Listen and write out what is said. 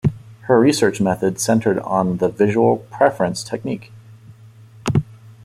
Her research method centered on the visual preference technique.